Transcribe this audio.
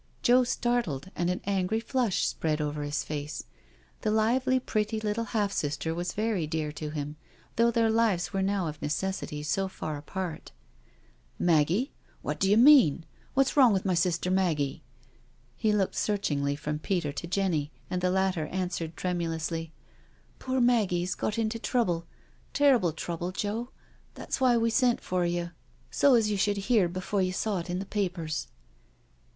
Joe started, and an angry flush spread over his face. The lively, pretty, little half sister was very dear to him, though their Uves were .now of necessity so far apart. '* Maggie? What d'you mean? What's wrong with my sister Maggie?" He looked searchingly from Peter to Jenny, and the latter answered tremulously: *' Poor Maggie's got into trouble — terrible trouble, Joe — that's why we sent for you, so as you should hear before you saw it in the papers."